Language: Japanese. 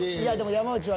山内は？